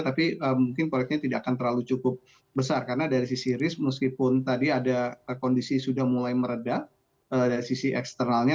tapi mungkin proyeknya tidak akan terlalu cukup besar karena dari sisi risk meskipun tadi ada kondisi sudah mulai meredah dari sisi eksternalnya